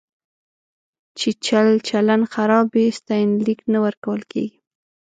چې چلچلن خراب وي، ستاینلیک نه ورکول کېږي.